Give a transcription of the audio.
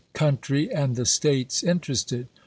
country and the States interested.